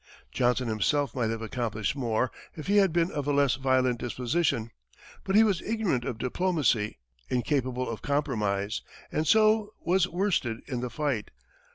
Johnson himself might have accomplished more if he had been of a less violent disposition; but he was ignorant of diplomacy, incapable of compromise, and so was worsted in the fight.